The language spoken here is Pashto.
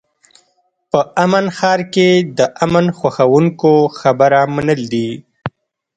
په امن ښار کې د امن خوښوونکو خبره منل دي.